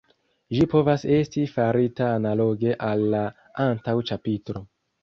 Ĝi povas esti farita analoge al la antaŭ ĉapitro.